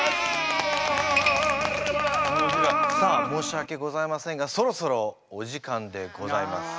さあ申しわけございませんがそろそろお時間でございます。